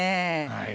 はい。